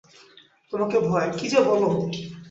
তোমাকে ভয়, কী যে বল।